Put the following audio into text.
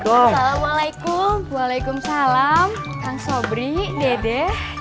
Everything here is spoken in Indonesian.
assalamualaikum waalaikumsalam kang sobri dede